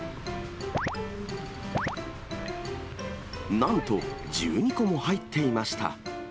なんと１２個も入っていました。